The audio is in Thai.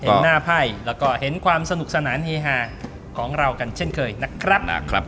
หน้าไพ่แล้วก็เห็นความสนุกสนานเฮฮาของเรากันเช่นเคยนะครับ